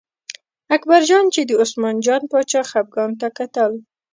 اکبرجان چې د عثمان جان باچا خپګان ته کتل.